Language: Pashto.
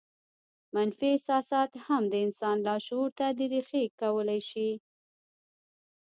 منفي احساسات هم د انسان لاشعور ته رېښې کولای شي